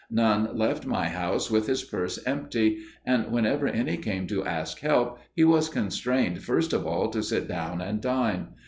None left my house with his purse empty, and whenever any came to ask help, he was constrained first of all to sit down and dine.